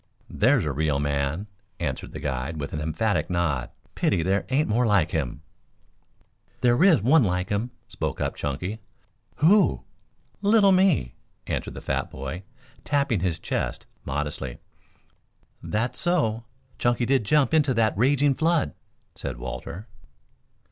"There's a real man," answered the guide, with an emphatic nod. "Pity there aren't more like him." "There is one like him," spoke up Chunky. "Who?" "Little me," answered the fat boy, tapping his chest modestly. "That's so; Chunky did jump into the raging flood," said Walter.